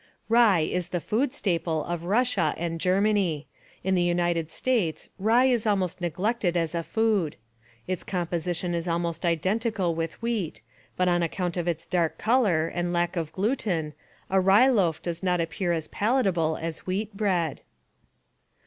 Rye is the food staple of Russia and Germany. In the United States rye is almost neglected as a food. Its composition is almost identical with wheat, but on account of its dark color, and lack of gluten, a rye loaf does not appear as palatable as wheat bread.